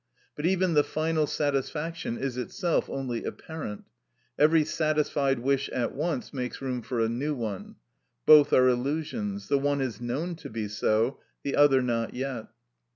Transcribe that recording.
But even the final satisfaction is itself only apparent; every satisfied wish at once makes room for a new one; both are illusions; the one is known to be so, the other not yet.